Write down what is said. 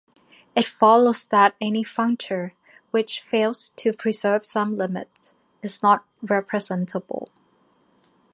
It follows that any functor which fails to preserve some limit is not representable.